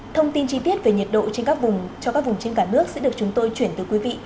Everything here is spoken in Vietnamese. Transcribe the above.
thông tin chi tiết về nhiệt độ trên các vùng cho các vùng trên cả nước sẽ được chúng tôi chuyển từ quý vị